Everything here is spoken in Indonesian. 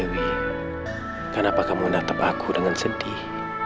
wiwi kenapa kamu menatap aku dengan sedih